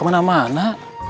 kau mau mau kemana